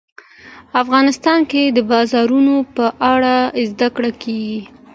افغانستان کې د بارانونو په اړه زده کړه کېږي.